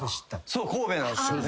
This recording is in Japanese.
そう神戸なんですよね。